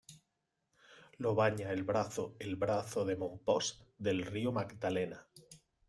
Lo baña el brazo el brazo de Mompós del río Magdalena.